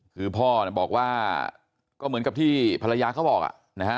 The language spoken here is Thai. คือพ่อบอกว่าก็เหมือนกับที่ภรรยาเขาบอกอ่ะนะฮะ